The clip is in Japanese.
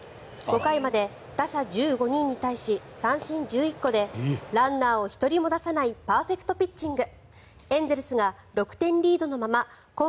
５回まで打者１５人に対し三振１１個でランナーを１人も出さないパーフェクトピッチング。